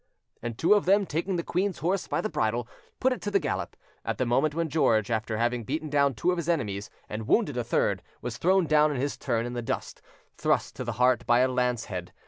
And two of them taking the queen's horse by the bridle, put it to the gallop, at the moment when George, after having beaten down two of his enemies and wounded a third, was thrown down in his turn in the dust, thrust to the heart by a lance head.